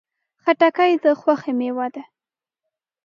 خټکی د خوښۍ میوه ده.